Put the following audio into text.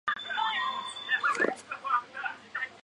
前四弦调像一个低提琴。